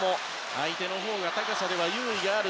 相手のほうが高さでは有利がある。